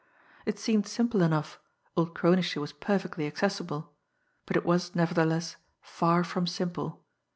It seemed simple enough, old Kronische was perfectly accessible but it was, nevertheless, far from simple.